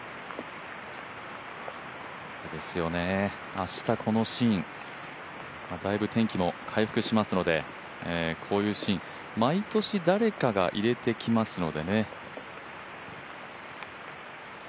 明日このシーン、だいぶ天気も回復しますのでこういうシーン毎年誰かが入れてきますのでね。